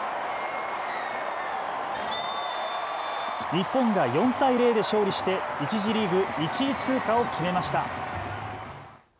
日本が４対０で勝利して１次リーグ１位通過を決めました。